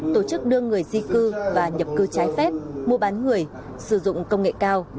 tổ chức đưa người di cư và nhập cư trái phép mua bán người sử dụng công nghệ cao